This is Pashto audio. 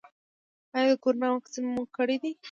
ایا د کرونا واکسین مو کړی دی؟